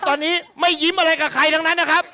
ตอนนี้ไม่ยิ้มอะไรกับใครทั้งนั้นนะครับ